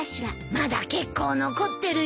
まだ結構残ってるよ。